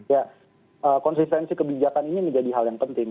ya konsistensi kebijakan ini menjadi hal yang penting